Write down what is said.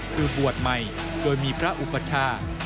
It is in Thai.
คือบวชใหม่โดยมีพระอุปชา